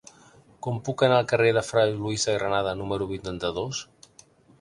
Com puc anar al carrer de Fra Luis de Granada número vuitanta-dos?